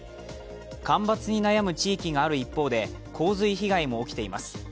干ばつに悩む地域がある一方で洪水被害も起きています。